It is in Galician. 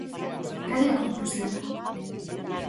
¿Cal é a conclusión?